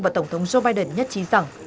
và tổng thống joe biden nhất trí rằng